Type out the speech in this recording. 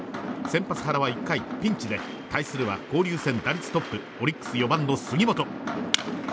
先発、原は１回ピンチで対するは交流戦打率トップオリックス４番の杉本。